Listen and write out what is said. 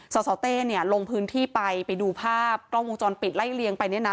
สสเต้เนี่ยลงพื้นที่ไปไปดูภาพกล้องวงจรปิดไล่เลียงไปเนี่ยนะ